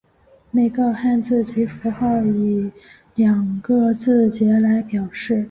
每个汉字及符号以两个字节来表示。